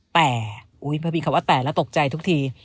แต่พอมีคำว่าแตกแล้วตกใจทุกที